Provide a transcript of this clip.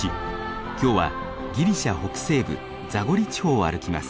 今日はギリシャ北西部ザゴリ地方を歩きます。